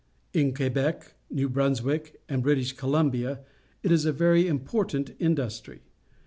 In Quebec, New Brunswick, and British Columbia it is a very important industry.